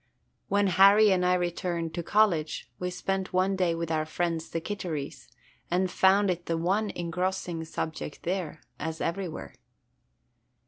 When Harry and I returned to college, we spent one day with our friends the Kitterys, and found it the one engrossing subject there, as everywhere.